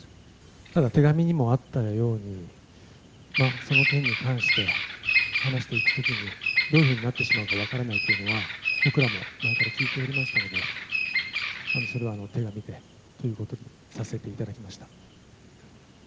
ただ、手紙にもあったように、その件に関して、話していくことにどういうふうになってしまうか分からないというのは、僕らも前から聞いておりましたので、それは手紙でということでさせていただきました。